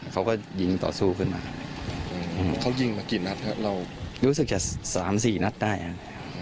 เขาก็ยิงต่อสู้ขึ้นมาเขายิงมากี่นัดครับเรารู้สึกจะสามสี่นัดได้ครับ